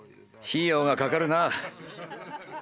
費用がかかるな。